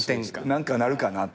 何かなるかなと。